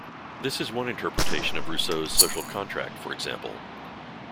This is one interpretation of Rousseau's "Social Contract", for example.